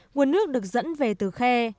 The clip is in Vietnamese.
nguồn nước được dẫn về từ khe